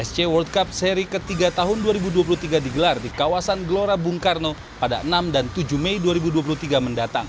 sc world cup seri ketiga tahun dua ribu dua puluh tiga digelar di kawasan gelora bung karno pada enam dan tujuh mei dua ribu dua puluh tiga mendatang